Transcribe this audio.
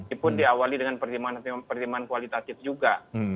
itu pun diawali dengan pertimbangan kualitatif juga